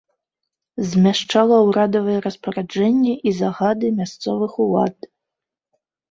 Змяшчала ўрадавыя распараджэнні і загады мясцовых улад.